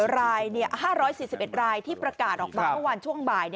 ราย๕๔๑รายที่ประกาศออกมาเมื่อวานช่วงบ่าย